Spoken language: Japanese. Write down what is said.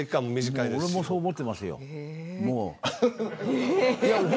俺もそう思ってますよ。